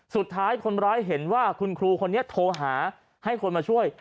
สุดท้ายคนร้ายเห็นว่าคุณครูคนนี้โทรหาให้คนมาช่วย